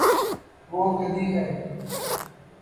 وہ گدی ہے